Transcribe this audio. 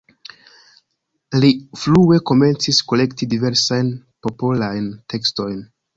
Li frue komencis kolekti diversajn popolajn tekstojn.